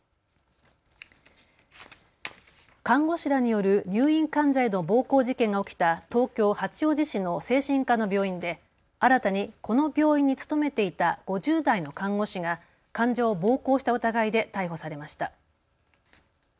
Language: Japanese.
看護師らによる入院患者への暴行事件が起きた東京八王子市の精神科の病院で新たにこの病院に勤めていた５０代の看護師が患者を暴行した疑いで逮捕されました。